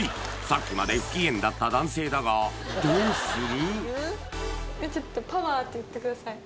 さっきまで不機嫌だった男性だがどうする？